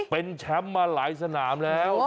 เป็นแชมป์มาหลายสนามแล้ว